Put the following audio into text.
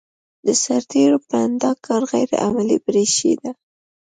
د سرتېرو په اند دا کار غیر عملي برېښېده.